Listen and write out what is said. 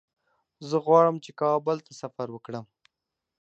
زه غواړم چې کابل ته سفر وکړم.